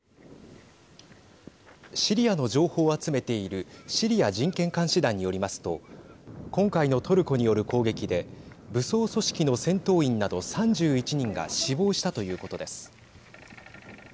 シリアの情報を集めているシリア人権監視団によりますと今回のトルコによる攻撃で武装組織の戦闘員など３１人が死亡したということです。